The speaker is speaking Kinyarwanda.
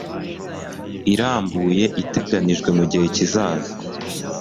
irambuye iteganijwe mu gihe kizaza